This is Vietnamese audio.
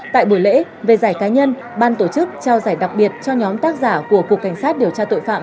tại buổi lễ về giải cá nhân ban tổ chức trao giải đặc biệt cho nhóm tác giả của cục cảnh sát điều tra tội phạm